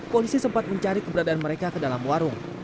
polisi sempat mencari keberadaan mereka ke dalam warung